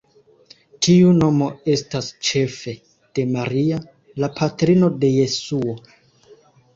Tiu nomo estas ĉefe de Maria, la patrino de Jesuo.